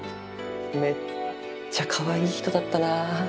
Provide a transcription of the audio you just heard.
めっちゃかわいい人だったな。